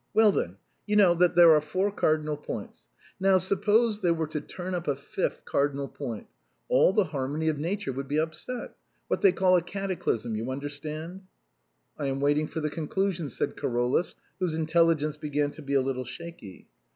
Well, then, you know that there are four cardinal points. Now suppose there were to turn up a fifth cardinal point, all the harmony of Nature would be upset. What they call a cataclysm — you understand ?"" I am waiting for the conclusion," said Carolus, whose intelligence began to be a little shaky.